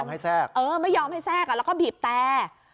คุณก็ไม่ยอมให้แซกเออไม่ยอมให้แซกอ่ะแล้วก็บีบแต่